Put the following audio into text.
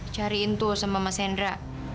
cariin tuh sama mas hendra